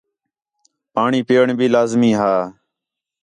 پاݨی پِیئݨ بھی لازمی ہا